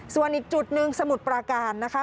ส่วนอีกจุดหนึ่งสมุทรปราการนะคะ